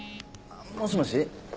もしもし？